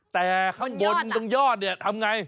แต่ข้างบนตรงยอดเนี่ยทำไง